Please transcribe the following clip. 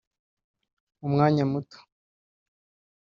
mu mwanya muto